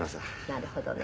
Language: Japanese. なるほどね。